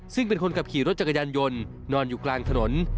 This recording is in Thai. ซึ่งเป็นคนขับขี่รถจักรยานยนต์นอนอยู่กลางถนน